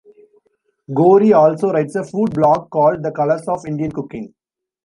Gori also writes a food blog called "The Colors of Indian Cooking".